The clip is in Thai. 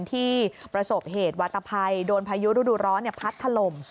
ที่ประสบเหตุวาตภัยโดนพายุฤดูร้อนพัดถล่ม